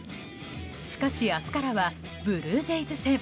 しかし、明日からはブルージェイズ戦。